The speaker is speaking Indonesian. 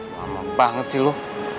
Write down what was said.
lama banget sih lu